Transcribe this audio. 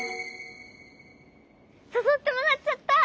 さそってもらっちゃった！